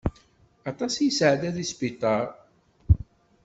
Aṭas i yesεedda di sbiṭar.